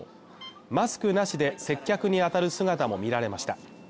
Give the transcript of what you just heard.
マスクなしで接客にあたる姿も見られました。